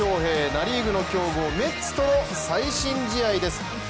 ナ・リーグの強豪メッツとの最新試合です。